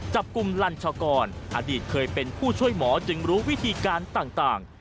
จับกลุ่มลัญชากรอดีตเคยเป็นผู้ช่วยหมอจึงรู้วิธีการต่าง